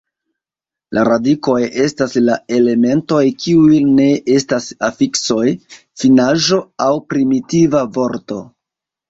La radikoj estas la elementoj kiuj ne estas afiksoj, finaĵo, aŭ primitiva vorto.